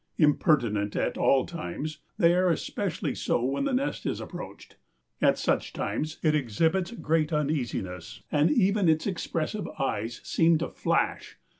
Impertinent at all times, they are especially so when the nest is approached. At such times it exhibits great uneasiness, and even its expressive eyes seem to flash.